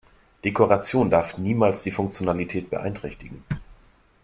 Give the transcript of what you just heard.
Dekoration darf niemals die Funktionalität beeinträchtigen.